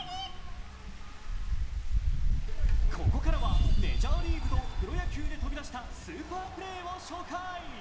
ここからはメジャーリーグとプロ野球で飛び出したスーパープレーを紹介。